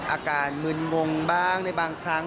อาการมึนงงบ้างในบางครั้ง